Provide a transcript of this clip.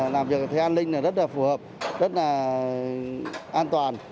làm việc thấy an ninh rất là phù hợp rất là an toàn